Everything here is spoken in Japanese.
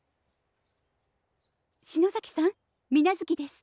篠崎さん水無月です。